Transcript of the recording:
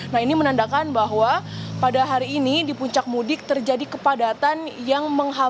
nah ini menandakan bahwa pada hari ini di puncak mudik terjadi kepadatan yang menghambat